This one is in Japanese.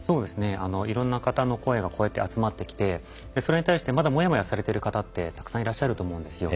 いろんな方の声がこうやって集まってきてそれに対してまだもやもやされている方ってたくさんいらっしゃると思うんですよ。